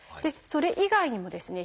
それ以外にもですね